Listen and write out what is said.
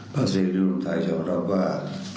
ภาษีฤทธิ์รุ่นท้ายชอบรับว่า